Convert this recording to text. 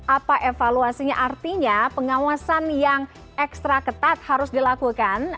apa evaluasinya artinya pengawasan yang ekstra ketat harus dilakukan